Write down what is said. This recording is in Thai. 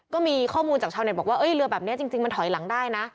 ก็มีข้อมูลจากชาวเน็ตบอกว่าเรือแบบนี้จริงมันถอยหลังได้นะ